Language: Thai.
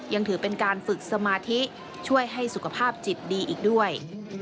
ยังถือเป็นการฝึกสมาธิช่วยให้สุขภาพจิตดีอีกด้วย